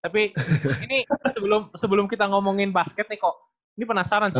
tapi ini sebelum kita ngomongin basket nih kok ini penasaran sih